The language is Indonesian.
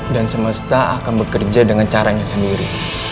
dan semesta akan bekerja dengan caranya sendiri